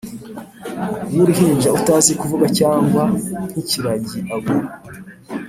wuruhinja utazi kuvuga cyangwa nkikiragi abura